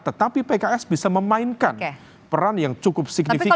tetapi pks bisa memainkan peran yang cukup signifikan